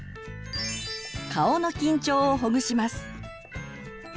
顔の緊張をほぐします。